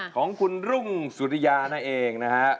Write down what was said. ของคุณรุ่งสุริยานั่นเองนะฮะ